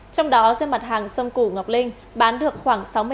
trong đó giam mặt hàng sông củ ngọc linh đã được tăng từ một mươi ba triệu đồng một tấn